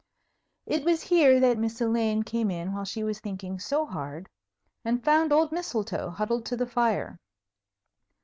It was here that Miss Elaine came in while she was thinking so hard, and found old Mistletoe huddled to the fire.